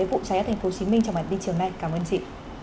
vụ cháy tp hcm trong bản tin chiều nay cảm ơn chị